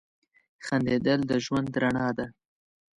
• خندېدل د ژوند رڼا ده.